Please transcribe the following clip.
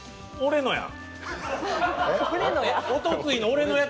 俺のや。